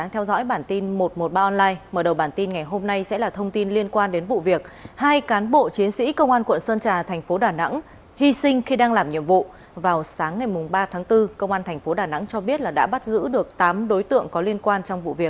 hãy đăng ký kênh để ủng hộ kênh của chúng mình nhé